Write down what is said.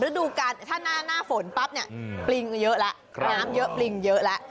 ดูการถ้าหน้าฝนปั๊บเนี่ยปริงก็เยอะแล้วน้ำเยอะปลิงเยอะแล้ว